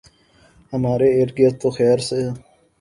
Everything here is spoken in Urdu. ہمارے اردگرد تو خیر سے